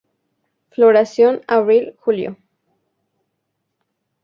Floración: abril-julio.